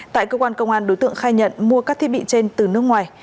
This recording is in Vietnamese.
tại cơ quan công an đối tượng khai nhận mua các thiết bị trên từ nước ngoài